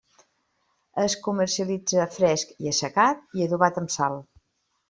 Es comercialitza fresc i assecat i adobat amb sal.